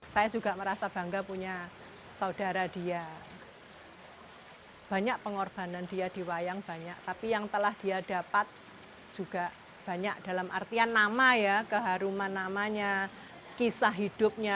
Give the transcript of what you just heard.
saya juga merasa bangga punya saudara dia banyak pengorbanan dia di wayang banyak tapi yang telah dia dapat juga banyak dalam artian nama ya keharuman namanya kisah hidupnya